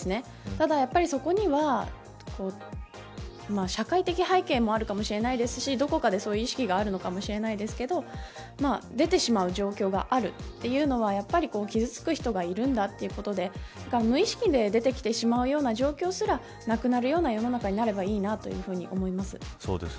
ただ、やっぱりそこには社会的背景もあるかもしれないですしどこかでそういう意識があるのかもしれないですけど出てしまう状況があるというのは傷つく人がいるんだということで無意識で出てきてしまうような状況すら、なくなるような世の中になればいいなというふうに思います。